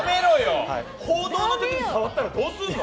報道の時に触ったらどうするの？